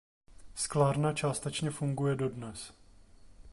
Sklárna částečně funguje dodnes.